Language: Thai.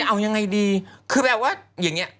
เอายังไงดีคือแบบว่าอย่างนี้